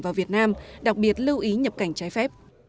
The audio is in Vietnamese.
vào việt nam đặc biệt lưu ý nhập cảnh trái phép